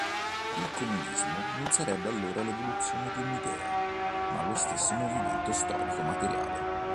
Il comunismo non sarebbe allora l'evoluzione di un'idea, ma lo stesso movimento storico materiale.